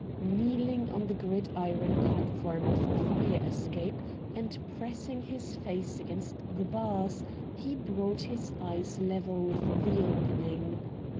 Kneeling on the gridiron platform of the fire escape, and pressing his face against the bars, he brought his eyes level with this opening.